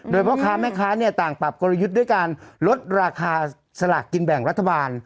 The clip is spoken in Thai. โดยพ่อค้าแม่ค้าต่างปรับกลยุทธ์ด้วยการลดราคาสลากกินแบ่งรัฐบาล